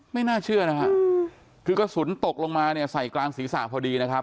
ไม่น่าเชื่อนะฮะคือกระสุนตกลงมาเนี่ยใส่กลางศีรษะพอดีนะครับ